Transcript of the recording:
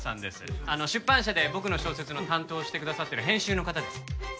出版社で僕の小説の担当をしてくださっている編集の方です。